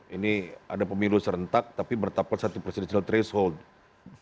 ini ada pemilu serentak tapi bertapel satu presiden presiden yang terhentak